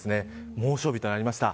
猛暑日となりました。